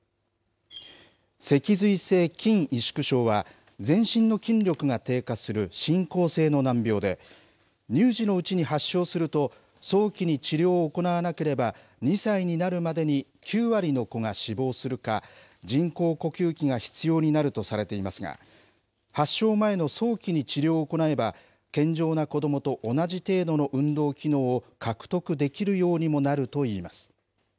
脊髄性筋萎縮症は全身の筋力が低下する進行性の難病で乳児のうちに発症すると早期に治療を行わなければ２歳になるまでに９割の子が死亡するか人工呼吸器が必要になるとされていますが発症前の早期に治療治療を行えば健常な子どもと同じ程度の運動機能を獲得できるようにもなると言います。